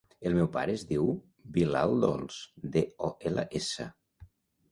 El meu pare es diu Bilal Dols: de, o, ela, essa.